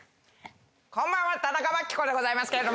こんばんは田中眞紀子でございますけど。